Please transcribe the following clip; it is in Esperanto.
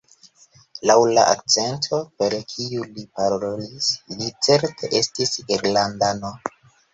Laŭ la akcento per kiu li parolis li certe estis irlandano.